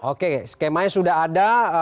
oke skemanya sudah ada